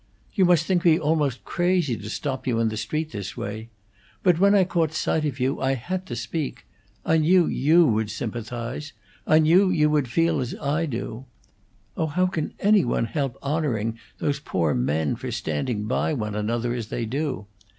"You must think me almost crazy to stop you in the street this way; but when I caught sight of you I had to speak. I knew you would sympathize I knew you would feel as I do. Oh, how can anybody help honoring those poor men for standing by one another as they do?